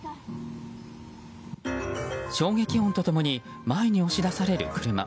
衝撃音と共に前に押し出される車。